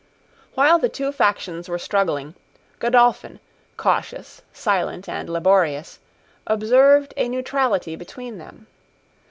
While the two factions were struggling, Godolphin, cautious, silent, and laborious, observed a neutrality between them.